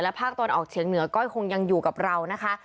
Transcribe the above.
ภาคตะวันออกเฉียงเหนือก็คงยังอยู่กับเรานะคะ